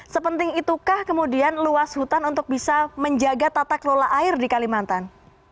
sepenting itukah kemudian luas hutan untuk bisa menjaga tata kelola air di kalimantan